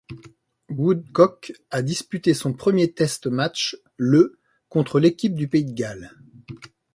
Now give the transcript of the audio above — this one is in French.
Woodcock a disputé son premier test match le contre l'équipe du pays de Galles.